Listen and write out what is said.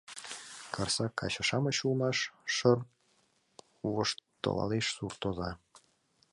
Карсак каче-шамыч улмаш! — шыр-р воштылалеш суртоза.